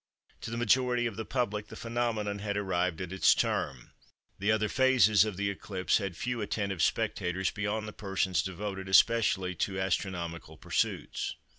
To the majority of the public the phenomenon had arrived at its term. The other phases of the eclipse had few attentive spectators beyond the persons devoted especially to astronomical pursuits."